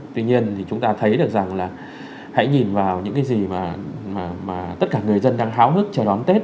tuy nhiên thì chúng ta thấy được rằng là hãy nhìn vào những cái gì mà tất cả người dân đang háo hức cho đón tết